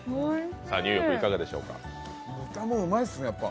豚もうまいっすね、やっぱ。